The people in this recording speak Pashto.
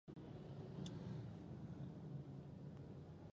افغانستان کې زردالو د هنر په اثار کې منعکس کېږي.